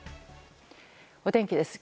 お天気です。